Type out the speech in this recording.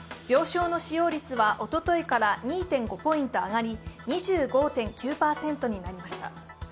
病床の使用率はおとといから２．５ポイント上がり２５．９％になりました。